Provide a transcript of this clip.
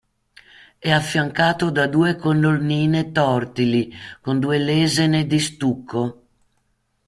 È affiancato da due colonnine tortili, con due lesene di stucco.